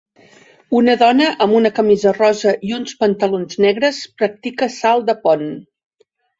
Una dona amb una camisa rosa i uns pantalons negres practica salt de pont.